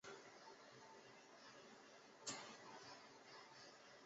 在捕鲸业发达的时期是把它们当成同一种露脊鲸。